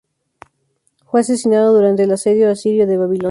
Fue asesinado durante el asedio asirio de Babilonia